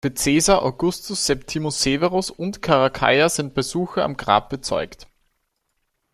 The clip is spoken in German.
Für Caesar, Augustus, Septimius Severus und Caracalla sind Besuche am Grab bezeugt.